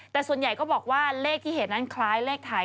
แต่ส่วนใหญ่ก็บอกว่าเลขที่เห็นนั้นคล้ายเลขไทย